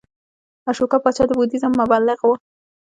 اشوکا پاچا د بودیزم مبلغ و